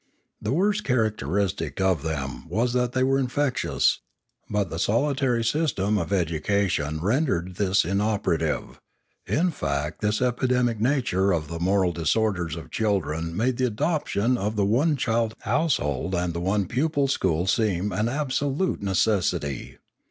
The worst characteristic of them was that they were infectious; but the solitary system of education rendered this inoperative; in fact this epi demic nature of the moral disorders of children made the adoption of the one child household and the one pupil school seem an absolute necessity.